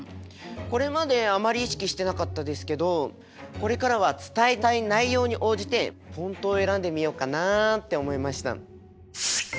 これまであまり意識してなかったですけどこれからは伝えたい内容に応じてフォントを選んでみようかなあって思いました。